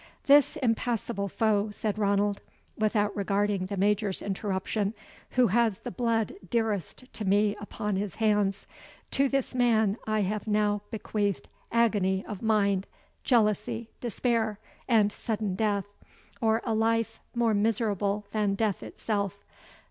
"This impassible foe," said Ranald, without regarding the Major's interruption, "who has the blood dearest to me upon his hands to this man I have now bequeathed agony of mind, jealousy, despair, and sudden death, or a life more miserable than death itself.